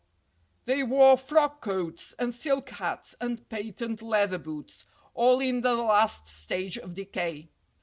They wore frock coats and silk hats and patent leather boots, all in the last stage of decay.